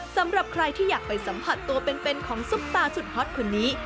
สำหรับใครที่อยากไปสัมผัสตัวเป็นของซุปตาสุดฮอตคนนี้